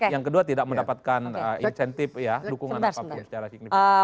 yang kedua tidak mendapatkan insentif ya dukungan apapun secara signifikan